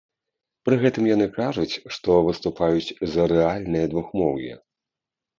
Пры гэтым яны кажуць, што выступаюць за рэальнае двухмоўе.